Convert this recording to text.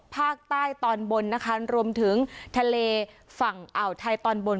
ภาคใต้ตอนบนนะคะรวมถึงทะเลฝั่งอ่าวไทยตอนบน